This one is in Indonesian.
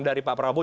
dari pak prabowo